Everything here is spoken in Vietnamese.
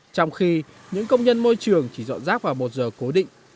trong khi những công nhân môi trường chỉ dọn rác vào một giờ cố định